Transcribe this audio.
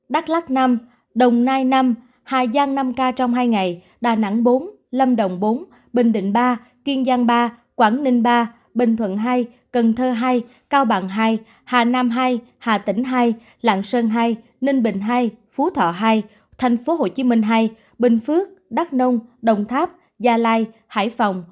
đắk lắc năm đồng nai năm hà giang năm ca trong hai ngày đà nẵng bốn lâm đồng bốn bình định ba kiên giang ba quảng ninh ba bình thuận hai cần thơ hai cao bằng hai hà nam hai hà tỉnh hai lạng sơn hai ninh bình hai phú thọ hai thành phố hồ chí minh hai bình phước đắk nông đồng tháp gia lai hải phòng hai